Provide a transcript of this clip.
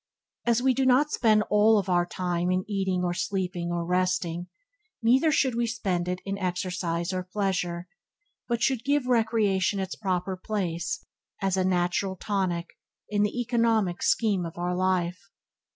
As we do not spend all our time in eating or sleeping or resting, neither should we spend it in exercise or pleasure, but should give recreation its proper place as a natural tonic in the economic scheme of our life.